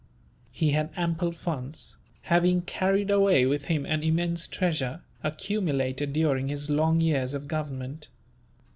He had ample funds, having carried away with him an immense treasure, accumulated during his long years of government.